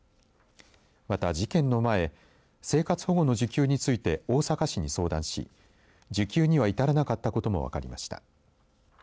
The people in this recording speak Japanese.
また、事件の前生活保護の受給について大阪市に相談し受給には至らなかったことも分かりました。